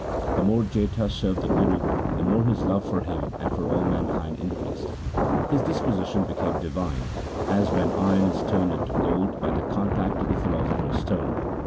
The more Jetha served the Guru, the more his love for him and for all mankind increased. His disposition became divine, as when iron is turned into gold by the contact of the philosopher's stone.